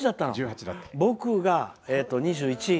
僕が２１。